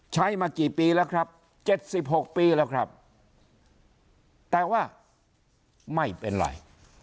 มากี่ปีแล้วครับ๗๖ปีแล้วครับแต่ว่าไม่เป็นไร